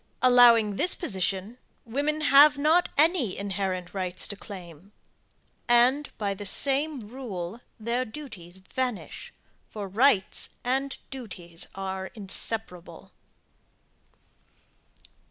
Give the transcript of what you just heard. Allowing this position, women have not any inherent rights to claim; and, by the same rule their duties vanish, for rights and duties are inseparable.